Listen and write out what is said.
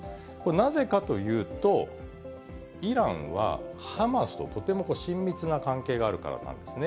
なぜかというと、イランはハマスととても親密な関係があるからなんですね。